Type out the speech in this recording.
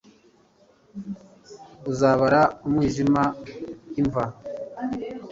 Uzabara umwijima imva